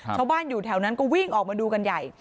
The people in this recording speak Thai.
ชาวบ้านอยู่แถวนั้นก็วิ่งออกมาดูกันใหญ่